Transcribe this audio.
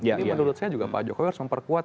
jadi menurut saya juga pak jokowi harus memperkuat